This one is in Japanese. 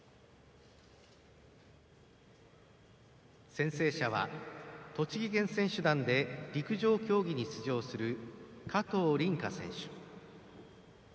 宣誓者は、栃木県選手団で陸上競技に出場する加藤凜香選手。